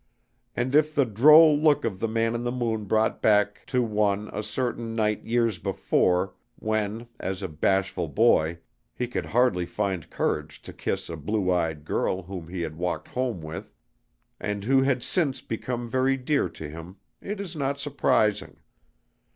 And if the droll look of the man in the moon brought back to one a certain night years before, when, as a bashful boy, he could hardly find courage to kiss a blue eyed girl whom he had walked home with, and who had since become very dear to him, it is not surprising.